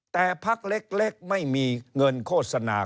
แต่พักเล็กไม่มีเงินโฆษณา